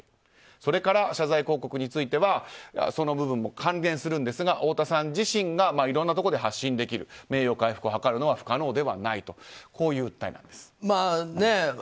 それから謝罪広告についてはその部分も還元するんですが太田さん自身がいろんなところで発信できる名誉回復を図るのは不可能ではないという訴えなんです。